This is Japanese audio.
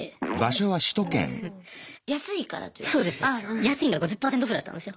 家賃が５０％ＯＦＦだったんですよ。